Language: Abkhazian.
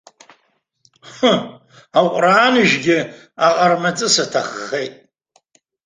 Ҳы, аҟәрааныжәгьы аҟармаҵыс аҭаххеит!